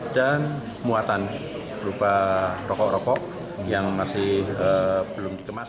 dan muatan berupa rokok rokok yang masih belum dikemas